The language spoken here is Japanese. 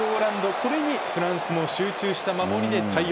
これにフランスも集中した守りで対応。